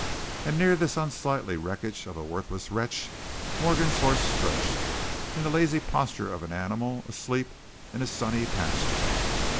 And near this unsightly wreckage of a worthless wretch Morgan's horse stretched, in the lazy posture of an animal asleep in a sunny pasture.